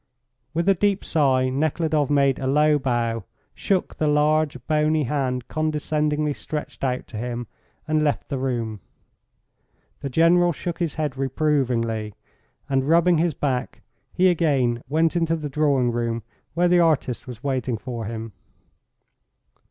With a deep sigh Nekhludoff made a low bow, shook the large, bony hand condescendingly stretched out to him and left the room. The General shook his head reprovingly, and rubbing his back, he again went into the drawing room where the artist was waiting for him.